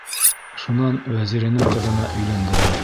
Шунан вәзиренең ҡыҙына өйләндерә.